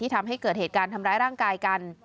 ทำให้เกิดเหตุการณ์ทำร้ายร่างกายกัน